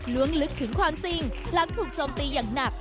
ล้วงลึกถึงความจริงหลังถูกโจมตีอย่างหนัก